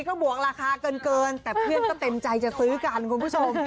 ก็บวกราคาเกินแต่เพื่อนก็เต็มใจจะซื้อกันคุณผู้ชม